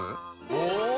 お！